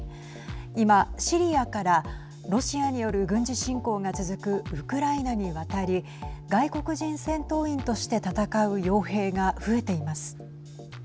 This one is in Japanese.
今、シリアからロシアによる軍事侵攻が続くウクライナに渡り外国人戦闘員として戦うよう兵が増えています。